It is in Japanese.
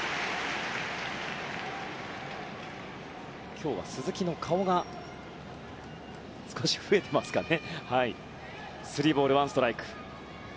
今日は鈴木の顔が少し増えていますかね。